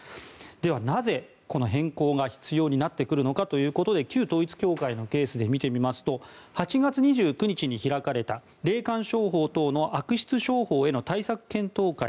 では、なぜこの変更が必要になってくるのかということで旧統一教会のケースで見てみると８月２９日に開かれた霊感商法等の悪質商法への対策検討会。